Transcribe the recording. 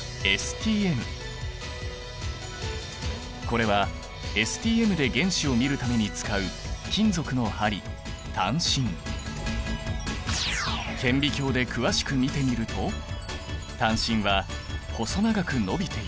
これはＳＴＭで原子を見るために使う金属の針顕微鏡で詳しく見てみると探針は細長く伸びている。